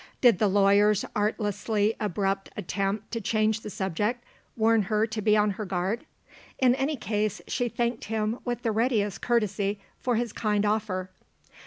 Did the lawyer's artlessly abrupt attempt to change the subject warn her to be on her guard? In any case, she thanked him with the readiest courtesy for his kind offer.